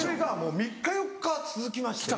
３日４日続きまして。